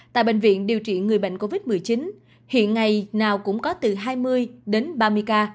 tại bệnh viện điều trị người bệnh covid một mươi chín hiện ngày nào cũng có từ hai mươi đến ba mươi ca